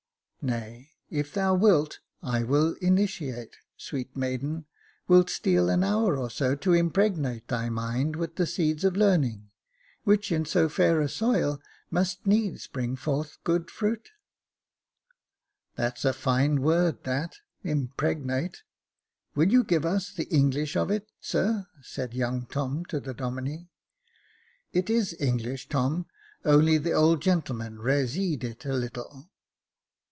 " Nay, if thou wilt, I will initiate — sweet maiden, wilt steal an hour or so to impregnate thy mind with the seeds of learning, which in so fair a soil must needs bring forth good fruit ?" 236 Jacob Faithful " That's a fine word that impregnate — will you give us the English of it, sir ?" said young Tom to the Domine ? "It is English, Tom, only the old gentleman razeed it a little.